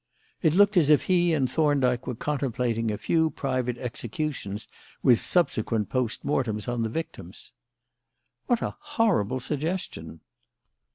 It looked as if he and Thorndyke were contemplating a few private executions with subsequent post mortems on the victims." "What a horrible suggestion!"